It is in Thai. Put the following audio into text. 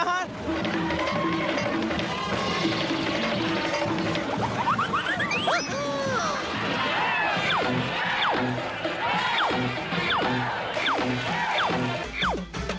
ระวังเป็นลมด้วยนะจ๊ะ